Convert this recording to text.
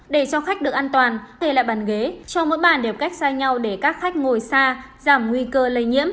để cho khách được an toàn thay lại bàn ghế cho mỗi bàn đẹp cách xa nhau để các khách ngồi xa giảm nguy cơ lây nhiễm